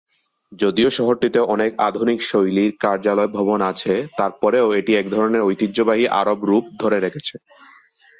যদিও শহরটিতে অনেক আধুনিক শৈলীর কার্যালয় ভবন আছে, তার পরেও এটি এক ধরনের ঐতিহ্যবাহী আরব রূপ ধরে রেখেছে।